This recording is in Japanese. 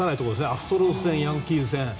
アストロズ戦、ヤンキース戦。